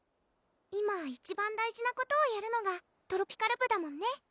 今一番大事なことをやるのがトロピカる部だもんね